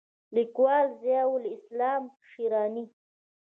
لیکوال: ضیاءالاسلام شېراني